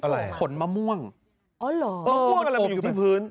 มะม่วงอะไรมันอยู่ที่พื้น